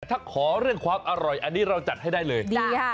แต่ถ้าขอเรื่องความอร่อยอันนี้เราจัดให้ได้เลยดีค่ะ